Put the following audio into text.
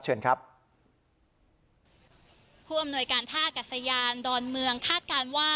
เชิญครับผู้อำนวยการท่ากัศยานดอนเมืองคาดการณ์ว่า